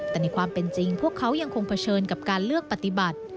แต่ในความเป็นจริงพวกเขายังคงเผชิญกับการเลือกปฏิบัติ